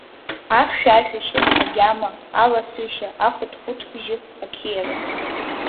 Ахьшәашәашьа, агьама, аласышьа, ахәыҭ-хәыҭбжьы, ақьиара.